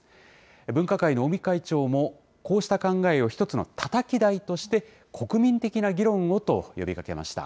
分科会の尾身会長も、こうした考えを１つのたたき台として、国民的な議論をと呼びかけました。